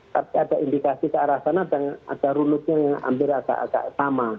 tapi ada indikasi ke arah sana dan ada runutnya yang hampir agak agak sama